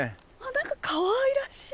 何かかわいらしい。